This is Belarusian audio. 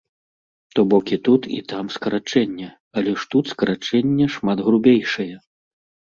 То бок і тут і там скарачэнне, але ж тут скарачэнне шмат грубейшае.